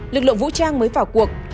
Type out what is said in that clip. lực lượng vũ trang mới vào cuộc